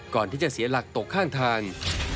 ก่อนที่จะเสียหลักตกข้างทาง